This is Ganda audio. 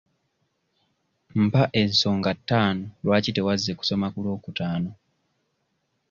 Mpa ensonga ttaano lwaki tewazze kusoma ku lwokutaano?